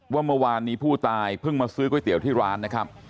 ว่าเมื่อวานนี้ผู้ตายเพิ่งมาซื้อก๋วยเตี๋ยวที่ร้านนะครับ